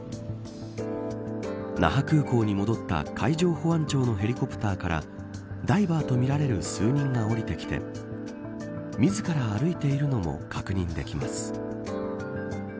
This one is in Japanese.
那覇空港に戻った海上保安庁のヘリコプターからダイバーとみられる数人が降りてきて自ら歩いているのも確認できます。